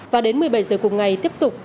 và đến một mươi bảy h cùng ngày tiếp tục